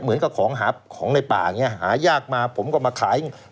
เหมือนกับของในป่าเนี่ยหายากมาผมก็มาขายหงาช้าง